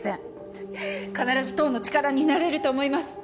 ははっ必ず党の力になれると思います。